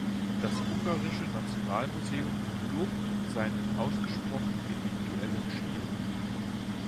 Das Ungarische Nationalmuseum lobt seinen ausgesprochen individuellen Stil.